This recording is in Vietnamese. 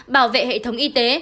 bảo vệ hệ thống y tế